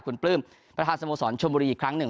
คุณปลื้มประธานสโมสรชมบุรีอีกครั้งหนึ่ง